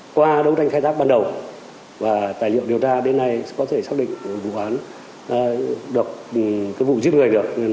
qua đấu tranh khai thác ban đầu và tài liệu điều tra đến nay có thể xác định vụ án được cái vụ giết người được